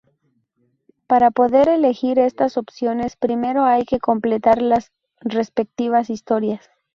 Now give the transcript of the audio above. Para poder elegir estas opciones, primero hay que completar las respectivas historias.